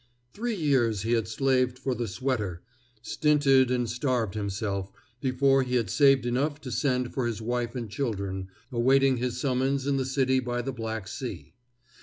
Three years he had slaved for the sweater, stinted and starved himself, before he had saved enough to send for his wife and children, awaiting his summons in the city by the Black Sea.